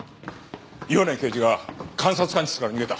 岩内刑事が監察官室から逃げた。